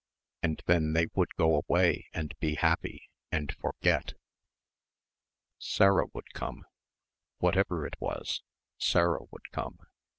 and then they would go away and be happy and forget.... Sarah would come. Whatever it was, Sarah would come.